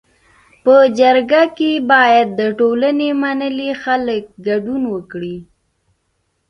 په جرګه کي باید د ټولني منلي خلک ګډون وکړي.